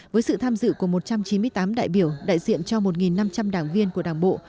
với sự tham dự của một trăm chín mươi tám đại biểu đại diện cho một năm trăm linh đảng viên của đảng bộ